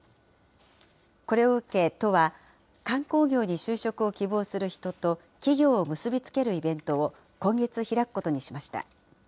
これを受け、都は観光業に就職を希望する人と企業を結び付けるイベントを今月開くことにしました。